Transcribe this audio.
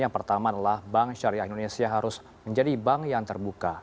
yang pertama adalah bank syariah indonesia harus menjadi bank yang terbuka